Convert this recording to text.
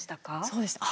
そうですね。